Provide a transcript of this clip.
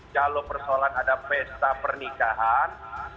kalau persoalan ada pesta pernikahan